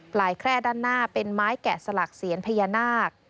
แคร่ด้านหน้าเป็นไม้แกะสลักเสียญพญานาค